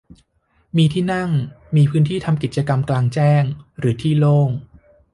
มีที่นั่ง มีพื้นที่ทำกิจกรรมกลางแจ้งหรือที่โล่ง